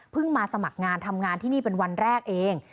มาสมัครงานทำงานที่นี่เป็นวันแรกเอง